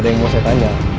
ada yang mau saya tanya